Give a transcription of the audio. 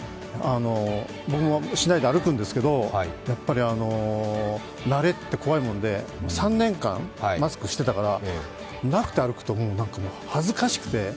僕もしないで歩くんですけどやっぱり慣れって怖いもんで３年間マスクしてたからなくて歩くと恥ずかしくて。